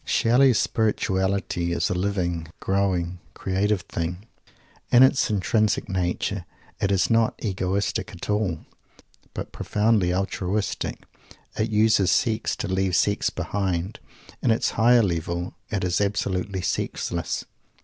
Shelley's "spirituality" is a living, growing, creative thing. In its intrinsic nature it is not egoistic at all, but profoundly altruistic. It uses Sex to leave Sex behind. In its higher levels it is absolutely Sexless.